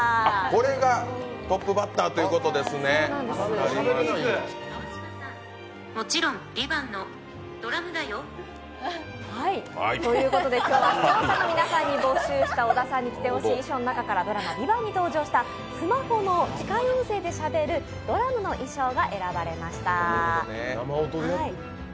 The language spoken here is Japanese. これがトップバッターということですね川島さん、もちろん「ＶＩＶＡＮＴ」のドラムだよ！ということで、今日は視聴者の皆さんから募集した小田さんに着てほしい衣装ドラマ「ＶＩＶＡＮＴ」に登場したスマホの機械音声でしゃべるドラムの衣装が選ばれました。